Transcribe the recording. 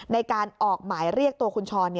ในการออกหมายเรียกตัวคุณช้อน